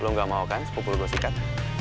lu gak mau kan sepupul gue sikat